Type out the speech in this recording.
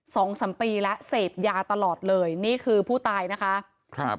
สองสามปีแล้วเสพยาตลอดเลยนี่คือผู้ตายนะคะครับ